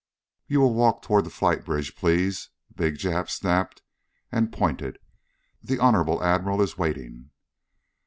"You will walk toward the flight bridge, please!" the big Jap snapped and pointed. "The Honorable Admiral is waiting."